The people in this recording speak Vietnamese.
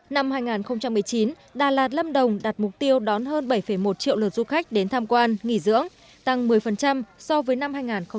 năm hai nghìn một mươi chín đà lạt lâm đồng đặt mục tiêu đón hơn bảy một triệu lượt du khách đến tham quan nghỉ dưỡng tăng một mươi so với năm hai nghìn một mươi tám